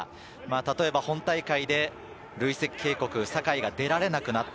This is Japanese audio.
例えば本大会で累積警告、酒井が出られなくなった。